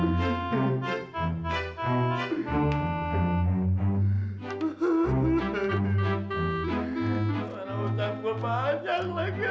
gimana ucap gue panjang lagi aduh